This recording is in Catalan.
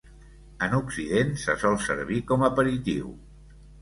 En occident, se sol servir com aperitiu.